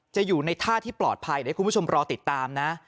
อยู่ในท่าที่ปลอดภัยเดี๋ยวคุณผู้ชมรอติดตามนะ